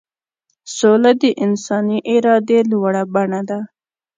سوله د انساني ارادې لوړه بڼه ده.